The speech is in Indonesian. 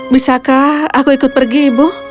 bisakah aku ikut pergi ibu